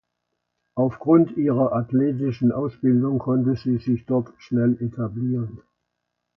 Auf Grund ihrer athletischen Ausbildung konnte sie sich dort schnell etablieren.